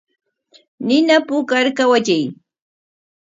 Nina puukar kawachiy.